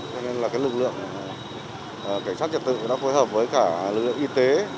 cho nên là cái lực lượng cảnh sát trật tự đã phối hợp với cả lực lượng y tế